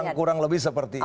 kurang lebih seperti itu